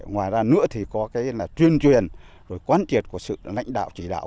ngoài ra nữa thì có tuyên truyền quan triệt của sự lãnh đạo chỉ đạo